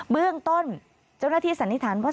เบื้องต้นเจ้าหน้าที่สันนิษฐานว่า